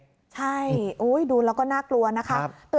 ใช่ดูแล้วก็น่ากลัวนะคะ